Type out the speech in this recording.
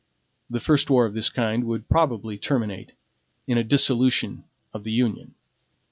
The first war of this kind would probably terminate in a dissolution of the Union.